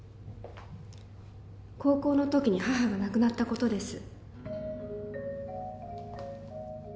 高校のときに母が亡くなったことです。